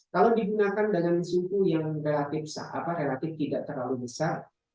kalau digunakan dengan suhu yang relatif tidak terlalu besar